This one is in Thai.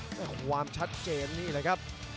แต่ความชัดเจนนี่แหละครับ